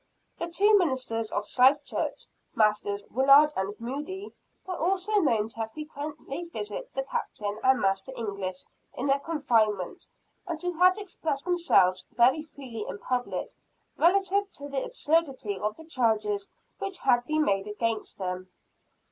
The two ministers of South Church Masters Willard and Moody were also known to have frequently visited the Captain and Master English in their confinement, and to have expressed themselves very freely in public, relative to the absurdity of the charges which had been made against them.